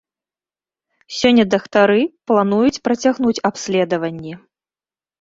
Сёння дактары плануюць працягнуць абследаванні.